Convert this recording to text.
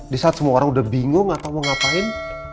di saat semua orang udah bingung atau mau ngapain